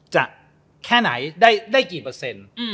แค่ไหนได้กี่เปอร์เซ็นต์